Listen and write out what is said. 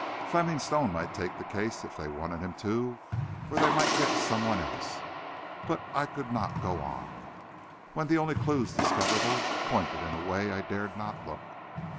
Fleming Stone might take the case if they wanted him to; or they might get some one else. But I could not go on, when the only clues discoverable pointed in a way I dared not look.